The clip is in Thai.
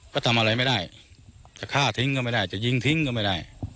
ก็ทำอะไรไม่ได้จะฆ่าทิ้งก็ไม่ได้จะยิงทิ้งก็ไม่ได้